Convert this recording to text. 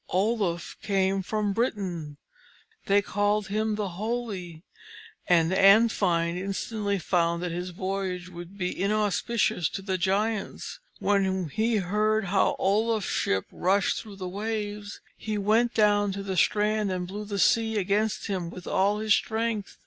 Oluf came from Britain. They called him the Holy, and Andfind instantly found that his voyage would be inauspicious to the Giants. When he heard how Oluf's ship rushed through the waves, he went down to the strand and blew the sea against him with all his strength.